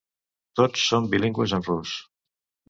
Tots són bilingües en rus.